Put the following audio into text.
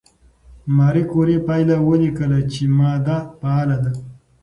ماري کوري پایله ولیکله چې ماده فعاله ده.